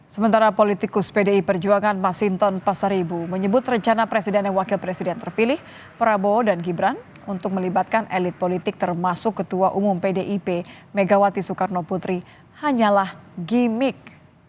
sementara politikus pdi perjuangan masinton pasaribu menyebut rencana presiden dan wakil presiden terpilih prabowo dan gibran untuk melibatkan elit politik termasuk ketua umum pdip megawati soekarno putri hanyalah gimmick